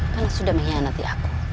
karena sudah mengkhianati aku